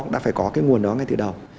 đã phải có cái nguồn đó ngay từ đầu